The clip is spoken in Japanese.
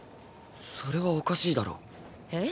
それはおかしいだろ。え？